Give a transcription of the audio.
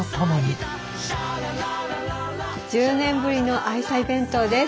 １０年ぶりの愛妻弁当です。